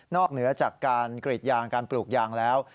เหนือจากการกรีดยางการปลูกยางแล้ว